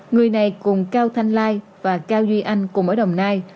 người này cùng cao thanh lai và cao duy anh cùng ở đồng nai